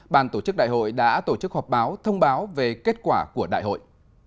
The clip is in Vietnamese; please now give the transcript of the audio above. bàn tổ chức đại hội đã tổ chức họp báo thông báo về kết quả của đại hội